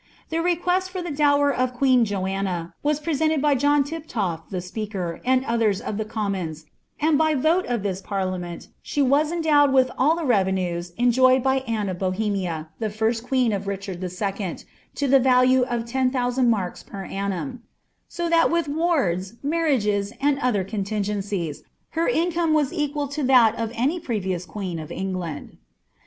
* The request for the dower of queen Joanna vraa prcKiiled by John Tiptol\ the speaker, and others of the comiuona ; ami by vote of iliis parliament she was endowed with all the revenua enjoyed by Anne of BoJiemiu, ilie lirst queen of Itieliard II., to the vnlua of ten tiioUHand marks per annum; so that with wards, marrioget, and other comingencies, her income was equal lo that of any previous queen «f England.